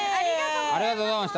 ありがとうございます。